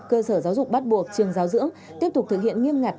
cơ sở giáo dục bắt buộc trường giáo dưỡng tiếp tục thực hiện nghiêm ngặt